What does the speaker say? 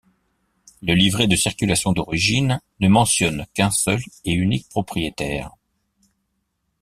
Le livret de circulation d'origine ne mentionne qu'un seul et unique propriétaire.